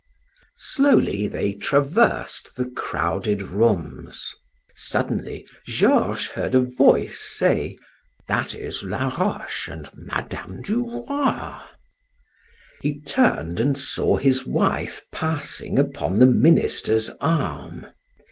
Slowly they traversed the crowded rooms. Suddenly Georges heard a voice say: "That is Laroche and Mme. du Roy." He turned and saw his wife passing upon the minister's arm.